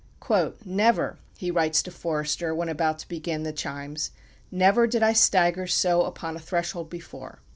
"Never," he writes to Forster, when about to begin "The Chimes," "never did I stagger so upon a threshold before.